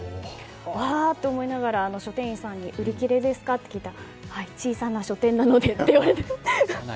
わーと思いながら書店員さんに売り切れですかと聞いたらはい、小さな書店なのでって言われて。